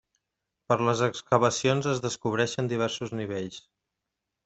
Per les excavacions es descobreixen diversos nivells.